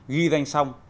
ghi danh xong